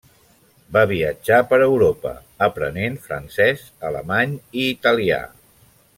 Va viatjar per Europa, aprenent francès, alemany i italià.